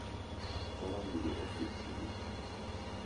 Hɛ́rá yuɗu ɔ́ kpiksili.